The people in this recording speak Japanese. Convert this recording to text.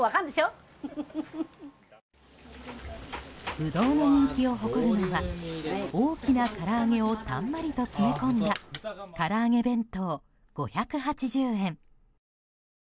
不動の人気を誇るのは大きなから揚げをたんまりと詰め込んだからあげ弁当、５８０円。